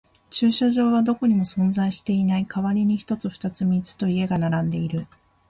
駐車場はどこにも存在していない。代わりに一つ、二つ、三つと家が並んでいる。